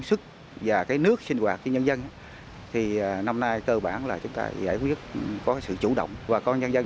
sức và cái nước sinh hoạt của nhân dân thì năm nay cơ bản là chúng ta có sự chủ động và con nhân dân